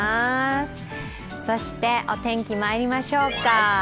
そしてお天気まいりましょうか。